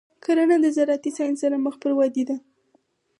کرنه د زراعتي ساینس سره مخ پر ودې ده.